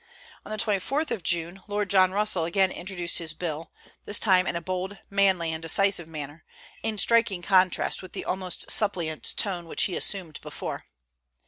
On the 24th of June Lord John Russell again introduced his bill, this time in a bold, manly, and decisive manner, in striking contrast with the almost suppliant tone which he assumed before.